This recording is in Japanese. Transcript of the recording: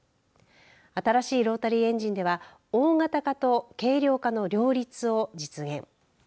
新しいロータリーエンジンでは大型化と軽量化の両立を実現。